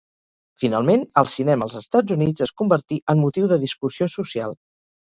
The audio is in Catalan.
Finalment, el cinema als Estats Units es convertí en motiu de discussió social.